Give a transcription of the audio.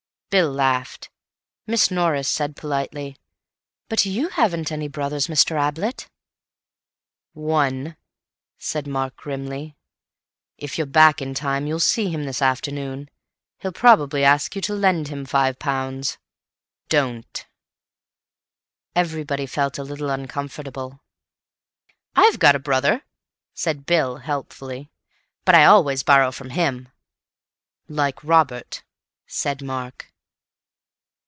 Bill laughed. Miss Norris said politely: "But you haven't any brothers, Mr. Ablett?" "One," said Mark grimly. "If you're back in time you'll see him this afternoon. He'll probably ask you to lend him five pounds. Don't." Everybody felt a little uncomfortable. "I've got a brother," said Bill helpfully, "but I always borrow from him." "Like Robert," said Mark.